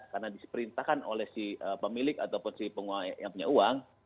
karena diserintakan oleh pemilik atau penguang yang punya uang